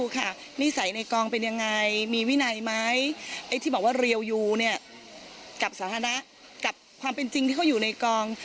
หน้างานเลิศหมดแต่คะแนนหลังบ้านพัง